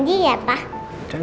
sebelum kita naik panggung